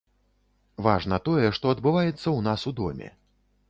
Важна тое, што адбываецца ў нас у доме.